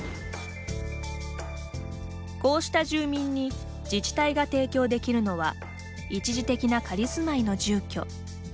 こうした住民に自治体が提供できるのは一時的な仮住まいの住居。